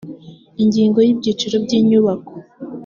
ingingo ya ibyiciro by inyubako